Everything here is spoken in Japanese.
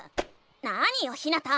なによひなた！